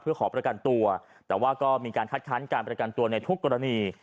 เพื่อขอประกันตัวแต่ว่าก็มีการคัดค้านการประกันตัวในทุกกรณี